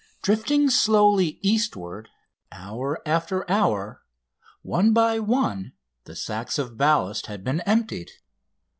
Drifting slowly eastward hour after hour one by one the sacks of ballast had been emptied.